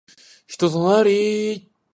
人となり